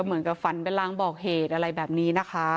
เหมือนกับฝันเป็นรางบอกเหตุอะไรแบบนี้นะคะ